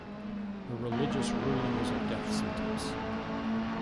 The religious ruling was a death sentence.